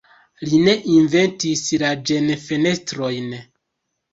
Li ne inventis la ĝen-fenestrojn.